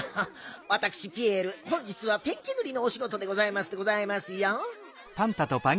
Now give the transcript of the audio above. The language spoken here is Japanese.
わたくしピエール本日はペンキぬりのおしごとでございますでございますよ。